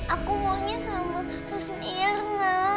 aku maunya sama susmir mas